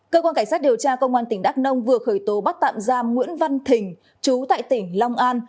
cơ quan cảnh sát điều tra công an tỉnh đắk nông vừa khởi tố bắt tạm giam nguyễn văn thình chú tại tỉnh long an